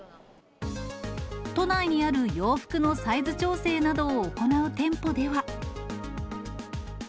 都内にある洋服のサイズ調整などを行う店舗では。